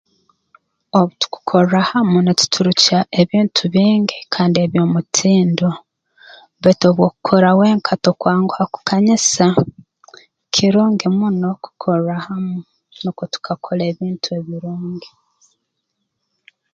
Obu tukukorra hamu nituturukya ebintu bingi kandi eby'omutindo baitu obu okukora wenka tokwanguha kukanyisa kirungi muno kukorra hamu nukwo tukakora ebintu ebirungi